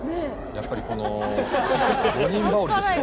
やっぱりこの五人羽織ですね。